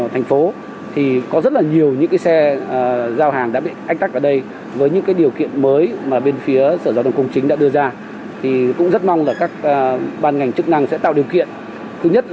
tuy nhiên các bàn ngành chức năng sẽ tạo điều kiện